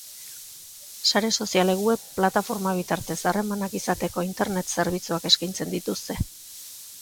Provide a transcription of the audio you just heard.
Sare sozialek web plataforma bitartez harremanak izateko internet-zerbitzuak eskaintzen dituzte.